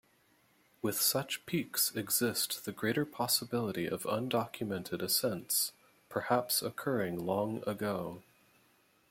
With such peaks exist the greater possibility of undocumented ascents, perhaps occurring long ago.